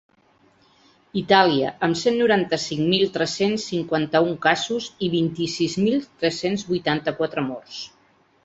Itàlia, amb cent noranta-cinc mil tres-cents cinquanta-un casos i vint-i-sis mil tres-cents vuitanta-quatre morts.